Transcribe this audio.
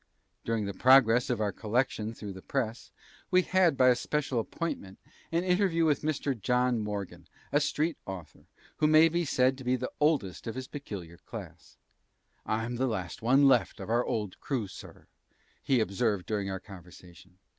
During the progress of our "Collection" through the press, we had, by a special appointment, an interview with Mr. John Morgan, a street author, and who may be said to be the oldest of his peculiar class. "I'm the last one left of our old crew, Sir," he observed during our conversation.